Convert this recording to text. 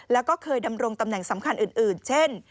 แล้วก็เคยดำรงตำแหน่งสำคัญอื่นเช่น